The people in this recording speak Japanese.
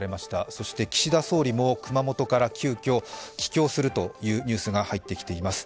そして岸田総理も熊本から急きょ帰郷するというニュースが入ってきています。